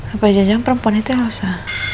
apa aja yang perempuan itu yang lusa